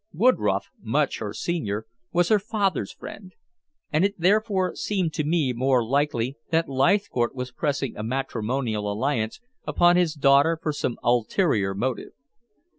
Woodroffe, much her senior, was her father's friend, and it therefore seemed to me more than likely that Leithcourt was pressing a matrimonial alliance upon his daughter for some ulterior motive.